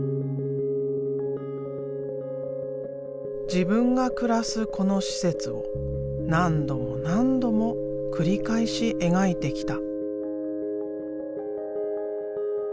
自分が暮らすこの施設を何度も何度も繰り返し描いてきた。